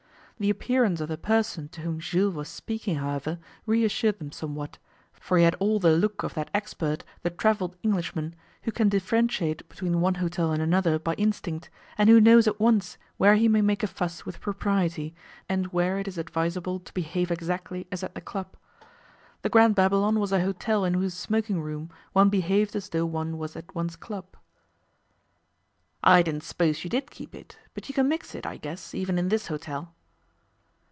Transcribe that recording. The appearance of the person to whom Jules was speaking, however, reassured them somewhat, for he had all the look of that expert, the travelled Englishman, who can differentiate between one hotel and another by instinct, and who knows at once where he may make a fuss with propriety, and where it is advisable to behave exactly as at the club. The Grand Babylon was a hotel in whose smoking room one behaved as though one was at one's club. 'I didn't suppose you did keep it, but you can mix it, I guess, even in this hotel.